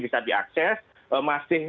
bisa diakses masih